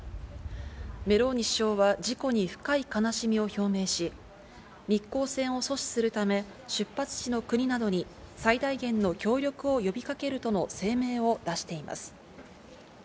メローニ首相は事故に深い悲しみを表明し、密航船を阻止するため、出発地の国などに最大限の協力を呼びかけるとの声明を出しています。